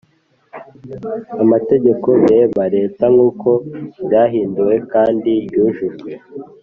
amategeko bireba Leta nk uko ryahinduwe kandi ryujujwe